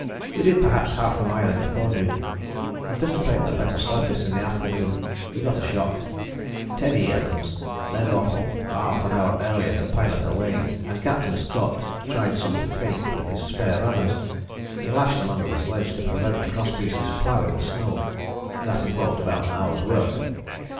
We did perhaps half a mile in the forenoon. Anticipating a better surface in the afternoon we got a shock. Teddy [Evans] led off half an hour earlier to pilot a way, and Captain Scott tried some fake with his spare runners [he lashed them under the sledge to prevent the cross pieces ploughing the snow] that involved about an hour's work.